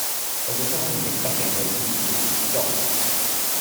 落咗妝唔認得你嗰啲，叫做喬裝